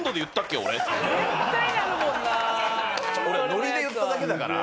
ノリで言っただけだから。